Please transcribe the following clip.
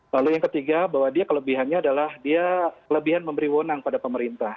lalu yang ketiga bahwa dia kelebihannya adalah dia kelebihan memberi wonang pada pemerintah